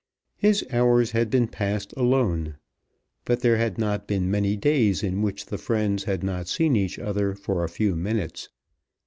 His hours had been passed alone. But there had not been many days in which the friends had not seen each other for a few minutes.